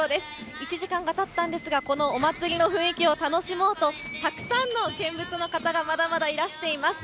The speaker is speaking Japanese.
１時間がたったんですが、このお祭りの雰囲気を楽しもうと、たくさんの見物の方がまだまだいらしています。